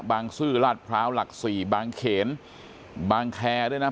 บางซื่อราชพร้าวหลักศรีบางเขนบางแคร์ด้วยนะฮะ